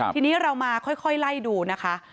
ทีนี้เรามาค่อยไล่ดูนะคะ